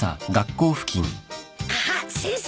あっ先生だ。